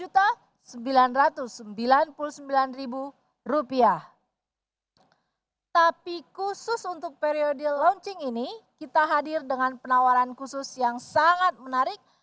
tapi khusus untuk periode launching ini kita hadir dengan penawaran khusus yang sangat menarik